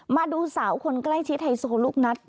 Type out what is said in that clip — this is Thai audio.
มาดูสาวคนใกล้ชิดไฮโซลูกนัด